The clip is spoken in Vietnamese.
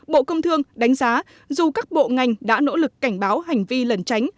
bộ công thương đánh giá dù các bộ ngành đã nỗ lực cảnh báo hành vi lẩn tránh